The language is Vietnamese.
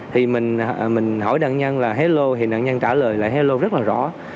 thì mình hỏi nạn nhân là hello thì nạn nhân trả lời là hello rất là rõ